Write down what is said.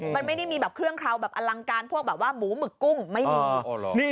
มันไม่ได้มีแบบเครื่องเคราวแบบอลังการพวกแบบว่าหมูหมึกกุ้งไม่มี